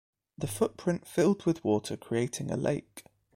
The foot print filled with water creating the lake.